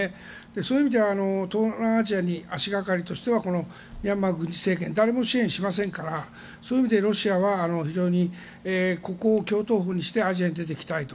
そういう意味では東南アジアに足掛かりとしてはこのミャンマー軍事政権誰も支援しませんからそういう意味でロシアはここを橋頭保にしてアジアに出ていきたいと。